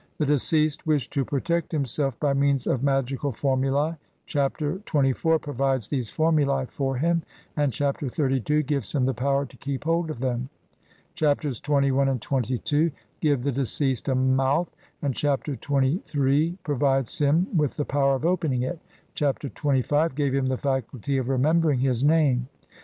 The deceased washed to protect himself by means of magical formulae ; Chapter XXIV provides these formulae for him, and Chapter XXXII gives him the power to keep hold of them. Chapters XXI and XXII give the deceased a mouth, and Chapter XXIII provides him with the power of opening it ; Chapter XXV gave him the faculty of remembering his name.